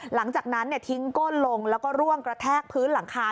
หลังจากนั้นทิ้งก้นลงแล้วก็ร่วงกระแทกพื้นหลังคา